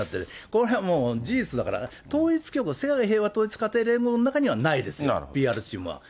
このへんはもう、事実だから、統一教会、世界平和統一家庭連合の中にはないです、ＰＲチームは。